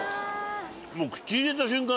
もう口に入れた瞬間